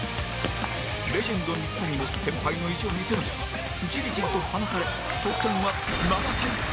レジェンド水谷も先輩の意地を見せるがジリジリと離され得点は７対９